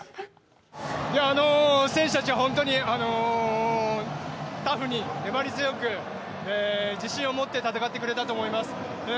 選手たちは本当にタフに粘り強く自信を持って戦ってくれたと思います。